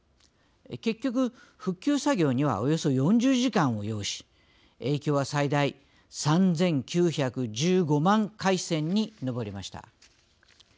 結局、復旧作業にはおよそ４０時間を要し影響は、最大３９１５万回線に上りました。